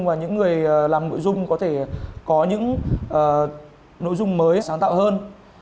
và những người làm nội dung có thể có những nội dung mới sáng tạo hơn